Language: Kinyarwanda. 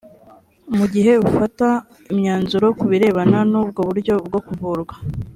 mu gihe ufata imyanzuro ku birebana n ubwo buryo bwo kuvurwa